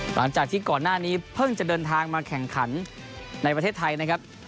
หลังจากที่ก่อนหน้านี้เพิ่งจะเดินทางมาแข่งขันในประเทศไทยนะครับ